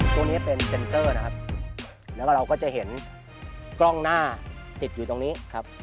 ตัวนี้เป็นเซ็นเตอร์นะครับแล้วก็เราก็จะเห็นกล้องหน้าติดอยู่ตรงนี้ครับ